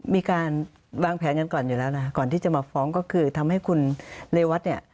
มีการวางแผนกันก่อนอยู่แล้วนะก่อนที่จะมาฟ้องก็คือทำให้คุณเรวัตเนี่ย